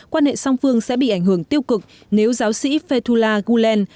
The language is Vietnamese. quan hệ song phương sẽ bị ảnh hưởng tiêu cực nếu giáo sĩ fedula gulen